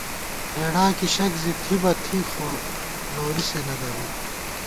ہېڑا کی شک زی تھی بہ تھی، خو نوری سے نہ درُوئی